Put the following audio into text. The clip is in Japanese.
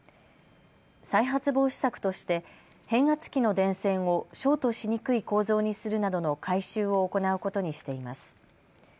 再発防止策として変圧器の電線をショートしにくい構造にするなどの改修を行うことにしています。